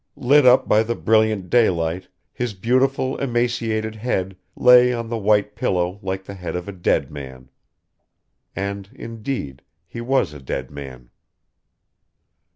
Lit up by the brilliant daylight, his beautiful emaciated head lay on the white pillow like the head of a dead man ... And indeed he was a dead man.